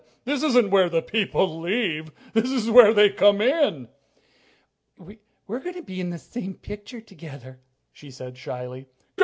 "This isn't where the people leave. This is where they come in!" "We're going to be in the same picture together," she said shyly.